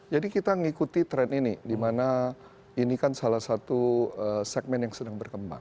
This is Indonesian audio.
jadi kita mengikuti tren ini di mana ini kan salah satu segmen yang sedang berkembang